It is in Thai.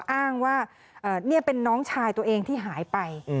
อ้างว่านี่เป็นน้องชายตัวเองที่หายไป